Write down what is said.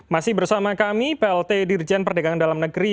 masih bersama kami plt dirjen perdagangan dalam negeri